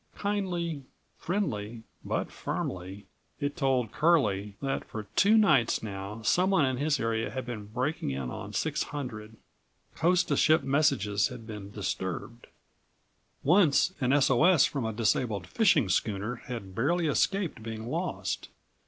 Kindly, friendly but firmly, it told Curlie that for two nights now someone in his area had been breaking in on 600. Coast to ship messages had been disturbed. Once an S. O. S. from a disabled fishing schooner had barely escaped being lost.